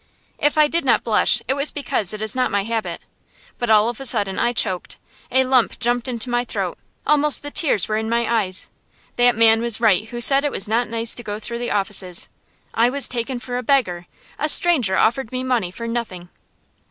If I did not blush, it was because it is not my habit, but all of a sudden I choked. A lump jumped into my throat; almost the tears were in my eyes. That man was right who said it was not nice to go through the offices. I was taken for a beggar: a stranger offered me money for nothing.